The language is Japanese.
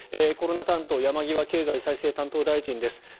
コロナ担当山際経済再生担当大臣です。